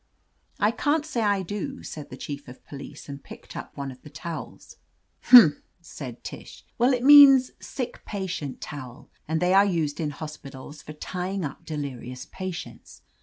"I can't say I do," said the Chief of Police, and picked up one of the towels. "Humph I" said Tish. "Well, it means *Sick Patient Towel,* and they are used in hos pitals for tying up delirious patients.